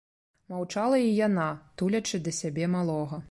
Маўчала і яна, тулячы да сябе малога.